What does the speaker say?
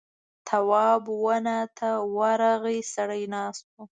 تواب ونه ته ورغی سړی ناست و.